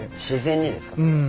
自然にですか？